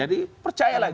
jadi percayalah itu